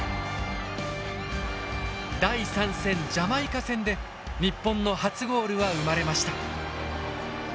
第３戦ジャマイカ戦で日本の初ゴールは生まれました。